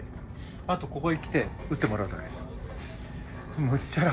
あと、ここへ来て打ってもらうだけ。